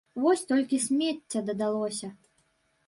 Вось толькі смецця дадалося.